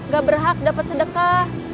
gak berhak dapet sedekah